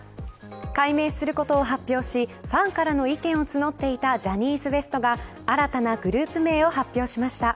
改名することを発表しファンからの意見を募っていたジャニーズＷＥＳＴが新たなグループ名を発表しました。